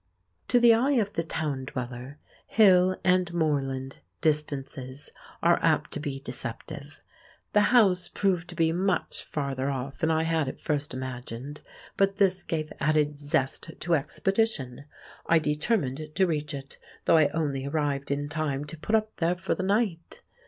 To the eye of the town dweller, hill and moorland distances are apt to be deceptive; the house proved to be much farther off than I had at first imagined. But this gave added zest to expedition; I determined to reach it though I only arrived in time to put up there for the night.